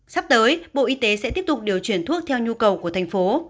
sắp tới bộ y tế sẽ tiếp tục điều chuyển thuốc theo nhu cầu của thành phố